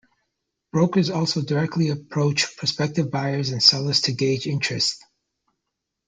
Brokers also directly approach prospective buyers and sellers to gauge interest.